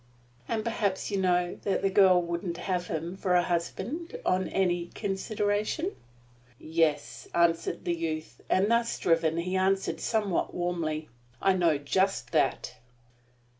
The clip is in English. "And perhaps you know that the girl wouldn't have him for a husband on any consideration?" "Yes," answered the youth, and, thus driven, he answered somewhat warmly, "I know just that!"